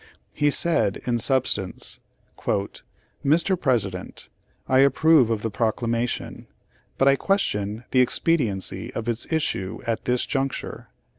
He said in substance: 'Mr. President, I approve of the proclamation, but I question the expediency of its issue at this juncture.